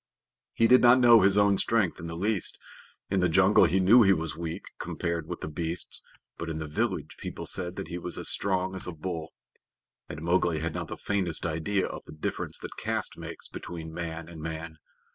He did not know his own strength in the least. In the jungle he knew he was weak compared with the beasts, but in the village people said that he was as strong as a bull. And Mowgli had not the faintest idea of the difference that caste makes between man and man.